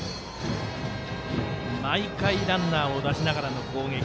毎回、ランナーを出しながらの攻撃。